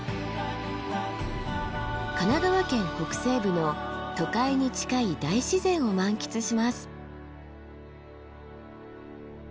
神奈川県北西部の都会に近い大自然を満喫します。